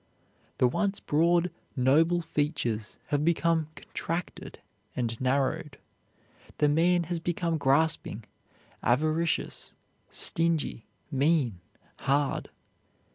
The once broad, noble features have become contracted and narrowed. The man has become grasping, avaricious, stingy, mean, hard.